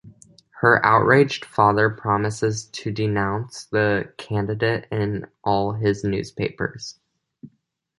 Her outraged father promises to denounce the candidate in all his newspapers.